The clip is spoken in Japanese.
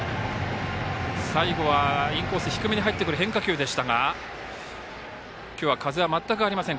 最後はインコース低めに入ってくる変化球でしたが今日は風は全くありません。